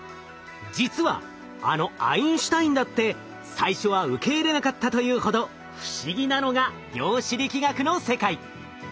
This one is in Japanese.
実はあのアインシュタインだって最初は受け入れなかったというほど不思議なのが量子力学の世界。